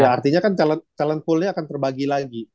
artinya kan talent pool nya akan terbagi lagi